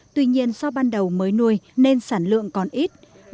tuy nhiên do ban đầu mới nuôi nên sản lượng còn ít